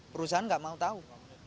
perusahaan gak mau tahu